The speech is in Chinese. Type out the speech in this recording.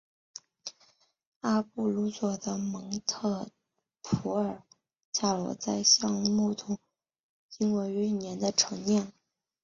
阿布鲁佐的蒙特普尔恰诺在橡木桶经过约一年的陈酿。